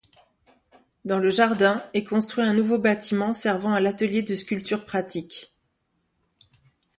Dans le jardin est construit un nouveau bâtiment servant à l'atelier de sculpture pratique.